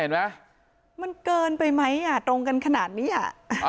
มันเกินไปไหมอ่ะตรงกันขนาดนี้อ่ะ